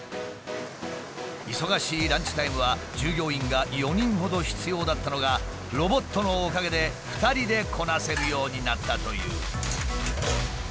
忙しいランチタイムは従業員が４人ほど必要だったのがロボットのおかげで２人でこなせるようになったという。